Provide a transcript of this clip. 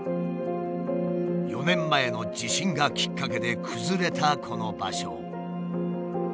４年前の地震がきっかけで崩れたこの場所。